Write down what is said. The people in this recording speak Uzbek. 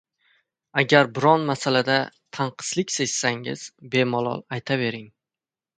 — Agar biron masalada tanqislik sezsangiz, bemalol aytavering.